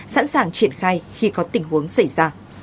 sẵn sàng triển khai khi có tình huống xảy ra